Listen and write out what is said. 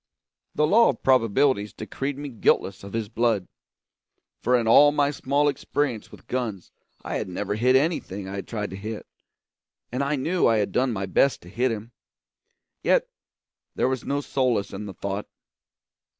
The law of probabilities decreed me guiltless of his blood; for in all my small experience with guns I had never hit anything I had tried to hit, and I knew I had done my best to hit him. Yet there was no solace in the thought.